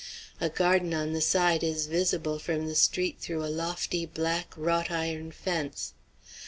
A garden on the side is visible from the street through a lofty, black, wrought iron fence.